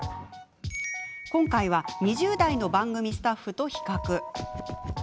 今回は２０代の番組スタッフと比較。